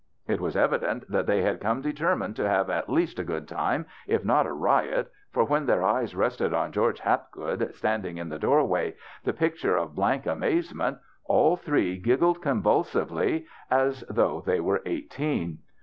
It was evident that they had come determined to have at least a good time, if not a riot, for when their eyes rested on George Hapgood standing in the door way the picture of blank amazement, all three giggled convulsively as though they were eighteen.